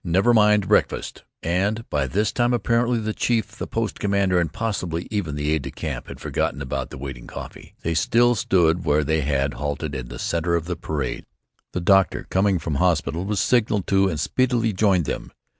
Never mind breakfast." And by this time, apparently, the chief, the post commander and possibly even the aide de camp had forgotten about the waiting coffee. They still stood there where they had halted in the centre of the parade. The doctor, coming from hospital, was signalled to and speedily joined them.